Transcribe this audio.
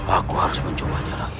aku harus mencobanya lagi